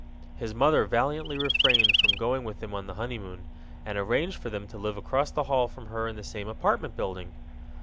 His mother valiantly refrained from going with them on the honeymoon and arranged for them to live across the hall from her in the same apartment building.